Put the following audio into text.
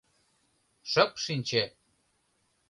— Шып шинче!